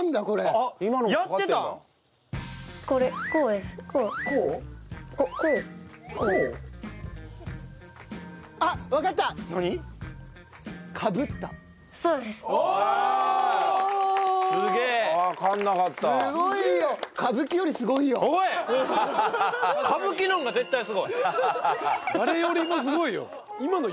あれよりもすごいよ。